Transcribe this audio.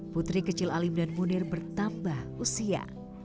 putri kecil alim dan munir bertambah usia